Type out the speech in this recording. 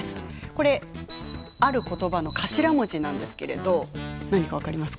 これある言葉の頭文字なんですけれど何か分かりますか？